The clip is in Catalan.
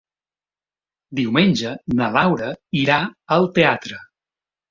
Diumenge na Laura irà al teatre.